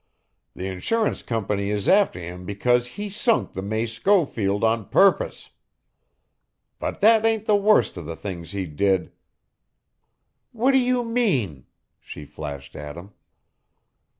"The insurance company is after him because he sunk the May Schofield on purpose. But that ain't the worst of the things he did " "What do you mean?" she flashed at him.